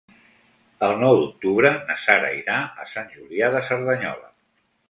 El nou d'octubre na Sara irà a Sant Julià de Cerdanyola.